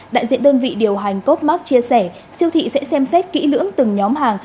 đại diện đơn vị điều hành copemark chia sẻ siêu thị sẽ xem xét kỹ lưỡng từng nhóm hàng